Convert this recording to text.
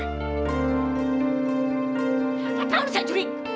ya kamu yang harus saya juri